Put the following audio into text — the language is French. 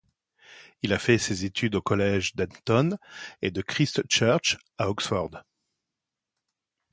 Il a fait ses études au Collège d'Eton et de Christ Church, à Oxford.